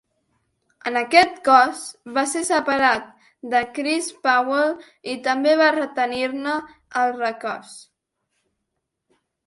En aquest cos, va ser separat de Chris Powell i també va retenir-ne els records.